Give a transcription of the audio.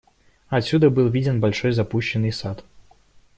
Отсюда был виден большой запущенный сад.